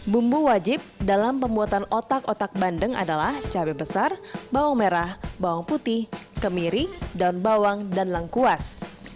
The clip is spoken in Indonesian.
bumbu wajib dalam pembuatan otak otak bandeng adalah cabai besar bawang merah bawang putih kemiri daun bawang dan lengkuas